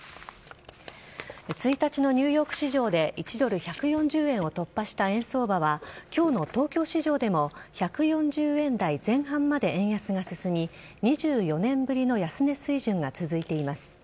１日のニューヨーク市場で１ドル＝１４０円を突破した円相場は今日の東京市場でも１４０円台前半まで円安が進み２４年ぶりの安値水準が続いています。